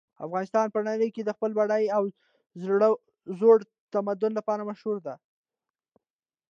افغانستان په نړۍ کې د خپل بډایه او زوړ تمدن لپاره مشهور ده